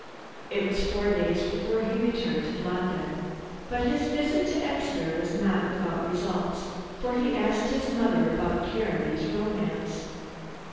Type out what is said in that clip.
It was four days before he returned to London. But his visit to Exeter was not without results, for he asked his mother about Caranby's romance.